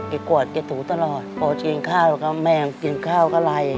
เขากวดเขาถูตลอดพอจะกินข้าวก็แม่งกินข้าวก็ไหล